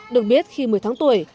được biết khi một mươi tháng tuổi